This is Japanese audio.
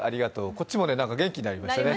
こっちも何か元気になりましたね。